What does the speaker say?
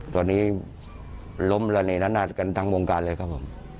ตอนนี้ล้มระเนละนาดกันทั้งวงการเลยครับผม